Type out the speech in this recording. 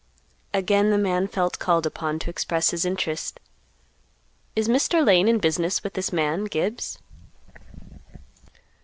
Again the man felt called upon to express his interest; "Is Mr. Lane in business with this man Gibbs?"